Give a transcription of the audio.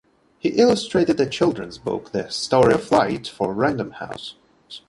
He illustrated a children's book, "The Story of Flight", for Random House.